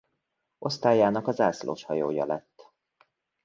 Osztályának a zászlóshajója lett.